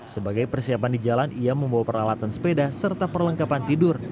sebagai persiapan di jalan ia membawa peralatan sepeda serta perlengkapan tidur